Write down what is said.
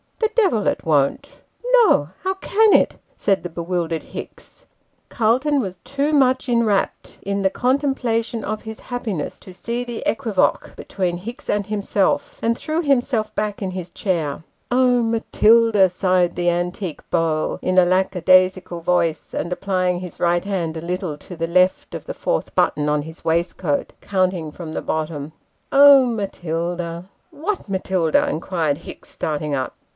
The devil it won't !" "No! how can it?" said the bewildered Hicks. Calton was too 214 Sketches by Boz. much inwrapped in the contemplation of his happiness to see the equivoque between Hicks and himself ; and threw himself back in his chair. " Oh, Matilda !" sighed the antique beau, in a lack a daisical voice, and applying his right hand a little to the left of the fourth button of his waistcoat, counting from the bottom. " Oh, Matilda !"' What Matilda ?" inquired Hicks, starting up.